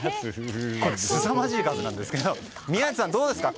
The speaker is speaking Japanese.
すさまじい数なんですけど宮司さん、どうですか。